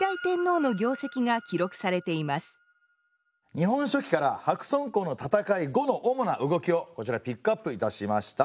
「日本書紀」から白村江の戦い後の主な動きをこちらピックアップいたしました。